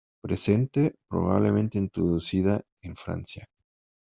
Presente, probablemente introducida, en Francia.